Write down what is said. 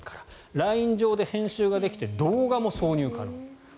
ＬＩＮＥ上で編集ができて動画も挿入可能。